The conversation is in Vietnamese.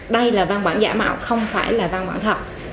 đây là văn bản giả mạo không phải là văn bản thật